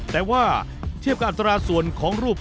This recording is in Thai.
แต่ว่าเทียบกับอัตราส่วนของรูป